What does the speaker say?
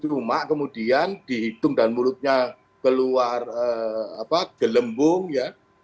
cuma kemudian dihitung dan mulutnya keluar gelembung ya